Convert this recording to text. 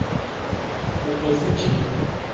لکه زه چې یم